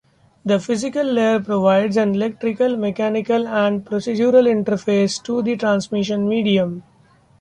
The physical layer provides an electrical, mechanical, and procedural interface to the transmission medium.